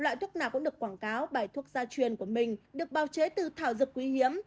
loại thuốc nào cũng được quảng cáo bài thuốc gia truyền của mình được bào chế từ thảo dược quý hiếm